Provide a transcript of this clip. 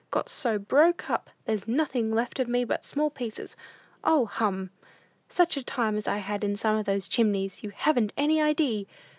Got so broke up, there's nothing left of me but small pieces. O, hum! "Such a time as I had in some of those chimneys, you haven't any idee!